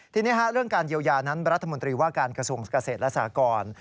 ทีนี้เรื่องการเยียวยานั้นรัฐมนตรีว่าการกระทรวงเกษตรและสากร